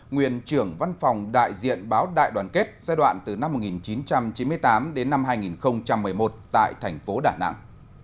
nguyên trưởng văn phòng đại diện báo đại đoàn kết giai đoạn từ năm một nghìn chín trăm chín mươi tám đến năm hai nghìn một mươi một tại thành phố đà nẵng